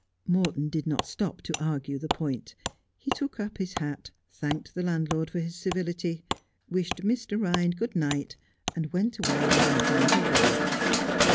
Morton did not stop to argue the point. He took up his hat, thanked the landlord for his civility, wished Mr. Ehind good night, and went away without another word.